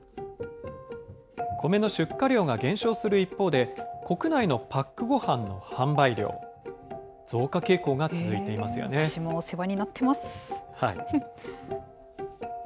米の出荷量が減少する一方で、国内のパックごはんの販売量、私もお世話になってます。